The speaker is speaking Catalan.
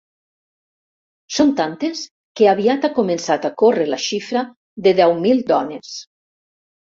Són tantes que aviat ha començat a córrer la xifra de deu mil dones.